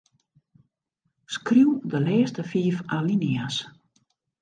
Skriuw de lêste fiif alinea's.